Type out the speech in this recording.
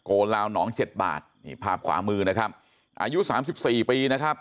ลาวหนองเจ็ดบาทนี่ภาพขวามือนะครับอายุสามสิบสี่ปีนะครับ